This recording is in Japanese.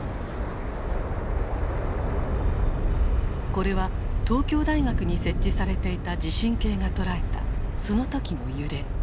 これは東京大学に設置されていた地震計が捉えたその時の揺れ。